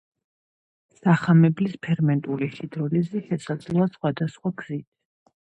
სახამებლის ფერმენტული ჰიდროლიზი შესაძლოა სხვადასხვა გზით.